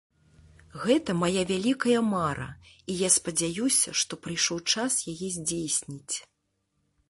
Гэта мая вялікая мара, і я спадзяюся, што прыйшоў час яе здзейсніць!